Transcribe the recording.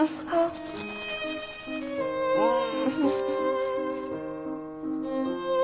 うん！